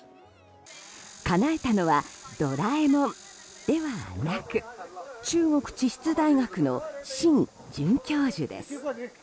かなえたのはドラえもんではなく中国地質大学のシン准教授です。